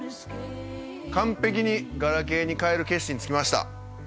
完璧にガラケーに替える決心つきました。